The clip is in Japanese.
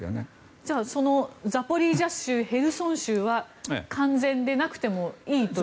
じゃあザポリージャ州、ヘルソン州は完全でなくてもいいという。